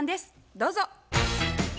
どうぞ。